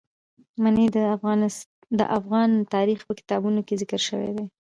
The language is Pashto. منی د افغان تاریخ په کتابونو کې ذکر شوی دي.